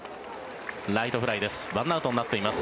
ライトフライです。